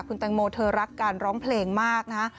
คุณแตงโมเธอรักการร้องเพลงมากนะฮะ